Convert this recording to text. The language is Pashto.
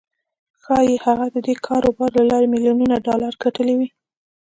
ښايي هغه د دې کاروبار له لارې ميليونونه ډالر ګټلي وي.